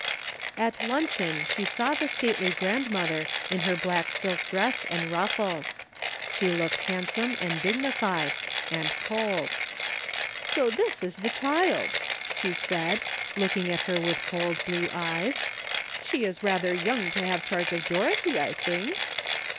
At luncheon she saw the stately grandmother in her black silk dress and ruffles. She looked handsome and dignified, and cold. ''So this is A LONG, WONDERFUL DAY. 221 the child," she said, looking at her with cold blue eyes ;'' she is rather young to have charge of Dorothy, I think."